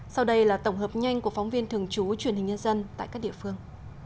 sau đây là tổng hợp nhanh của phóng viên thường trú truyền hình nhân dân tại các địa phương